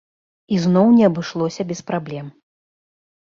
І зноў не абышлося без праблем.